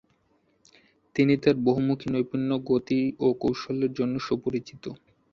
তিনি তার বহুমুখী নৈপুণ্য, গতি ও কৌশলের জন্য সুপরিচিত।